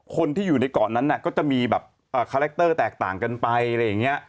คนที่อยู่ในเกาะนั้นก็จะมีคาแรคเตอร์แตกต่างกันไป